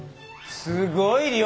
すごい量！